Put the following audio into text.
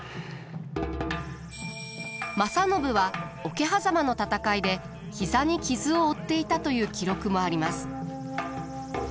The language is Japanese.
正信は桶狭間の戦いで膝に傷を負っていたという記録もあります。